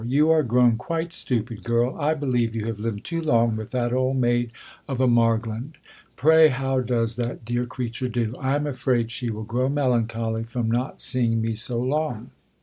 you are grown quite stupid, girl. I believe you ha\ t lived too long v/ith that old maid of a Margland. Pray how does that dear creature do ? I am ali aid she will grow melancholy from not seeing me so long.